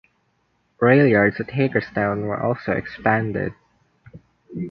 Rail yards at Hagerstown were also expanded.